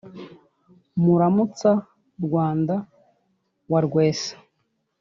muramutsa-rwanda wa rwesa,